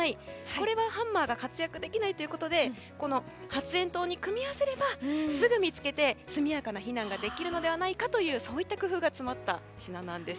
これはハンマーが活躍できないということで発炎筒に組み合わせればすぐ見つけられて速やかな避難ができるのではないかという工夫が詰まった品なんです。